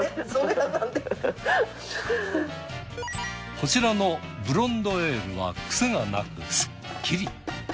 こちらのブロンドエールはクセがなくすっきり。